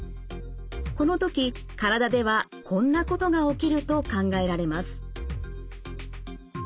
この時体ではこんなことが起きると考えられます。